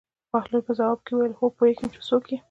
بهلول په ځواب کې وویل: هو پوهېږم چې څوک یې.